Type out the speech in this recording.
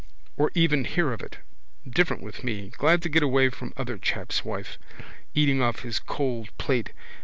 Or even hear of it. Different with me. Glad to get away from other chap's wife. Eating off his cold plate.